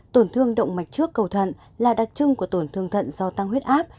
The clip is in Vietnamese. tổn thương động mạch trước cầu thận là đặc trưng của tổn thương thận do tăng huyết áp